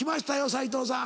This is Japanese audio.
斉藤さん。